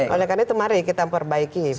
oleh karena itu mari kita perbaiki